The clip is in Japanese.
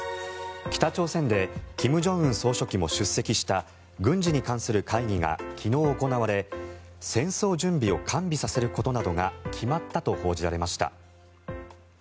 北朝鮮で金正恩総書記も出席した軍事に関する会議が昨日、行われ戦争準備を完備させることなどが決まったと報じられました。